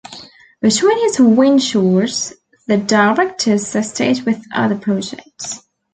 Between his "Wind" chores, the director assisted with other projects.